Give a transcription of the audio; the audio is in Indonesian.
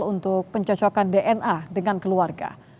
untuk pencocokan dna dengan keluarga